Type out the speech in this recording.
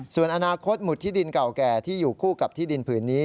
ส่วนอนาคตหมุดที่ดินเก่าแก่ที่อยู่คู่กับที่ดินผืนนี้